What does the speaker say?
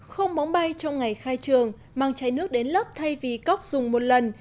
không bóng bay trong ngày khai trường mang chai nước đến lớp thay vì cóc dùng một lần